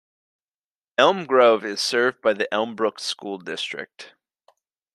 Elm Grove is served by the Elmbrook School District.